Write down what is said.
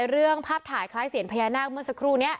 เรื่องภาพถ่ายคล้ายเสียญพญานาคเมื่อสักครู่นี้